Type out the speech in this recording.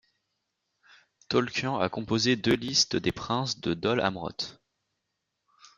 Tolkien a composé deux listes des princes de Dol Amroth.